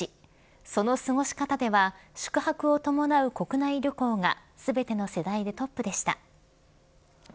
その過ごし方では宿泊を伴う国内旅行が全ての世代でトップでした。